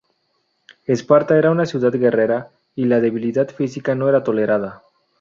Esparta era una ciudad guerrera y la debilidad física no era tolerada.